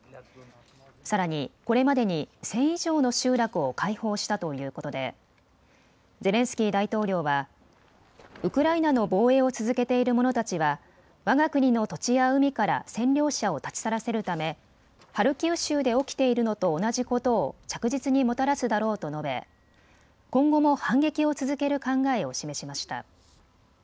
さらにこれまでに１０００以上の集落を解放したということでゼレンスキー大統領はウクライナの防衛を続けている者たちはわが国の土地や海から占領者を立ち去らせるためハルキウ州で起きているのと同じことを着実にもたらすだろうと述べ今後も反撃を続ける考えを示しました。